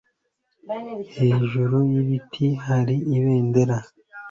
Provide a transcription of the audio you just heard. Hejuru yibiti hari ibendera.